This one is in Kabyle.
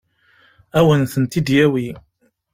Ad wen-tent-id-yawi?